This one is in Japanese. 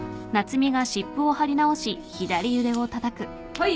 はい。